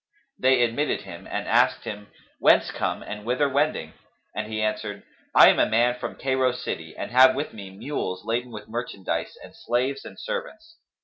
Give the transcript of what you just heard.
They admitted him and asked him, "Whence come, and whither wending?" and he answered, "I am a man from Cairo city and have with me mules laden with merchandise and slaves and servants.